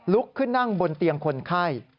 ลุกขึ้นนั่งบนเตียงคนไข้